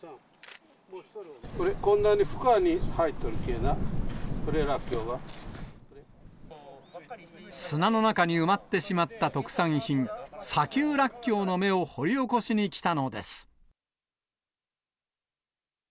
こんなに深いに入っとるけぇ砂の中に埋まってしまった特産品、砂丘らっきょうの芽を掘り起こしに来たのです。